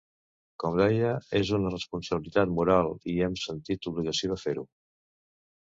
Com deia és una responsabilitat moral i hem sentit l’obligació de fer-ho.